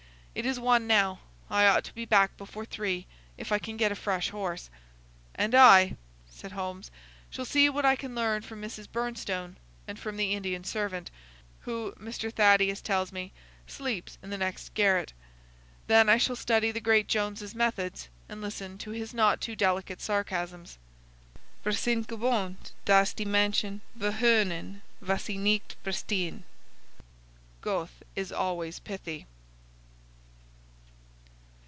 "It is one now. I ought to be back before three, if I can get a fresh horse." "And I," said Holmes, "shall see what I can learn from Mrs. Bernstone, and from the Indian servant, who, Mr. Thaddeus tell me, sleeps in the next garret. Then I shall study the great Jones's methods and listen to his not too delicate sarcasms. 'Wir sind gewohnt das die Menschen verhöhnen was sie nicht verstehen.' Goethe is always pithy."